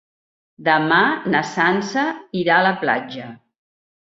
Demà na Sança irà a la platja.